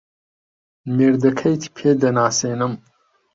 مێردەکەیت پێ دەناسێنم.